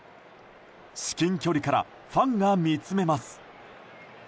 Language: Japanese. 至近距離からファンが見つめます。